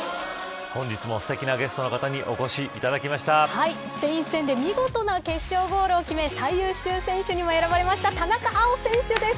本日も、すてきなゲストの方にスペイン戦で見事な決勝ゴールを決め最優秀選手にも選ばれました田中碧選手です。